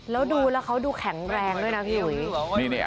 แล้วดูแล้วเขาดูแข็งแรงด้วยนะพี่อุ๋ย